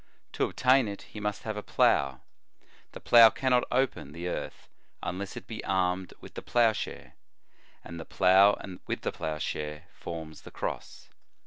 To obtain it, he must have a plough. The plough cannot open the earth unless it be armed with the plough share, and the plough with the plough share forms the Cross."